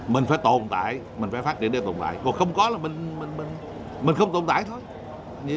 mình phải tồn tại mình phải phát triển đi tồn tại còn không có là bên mình không tồn tại thôi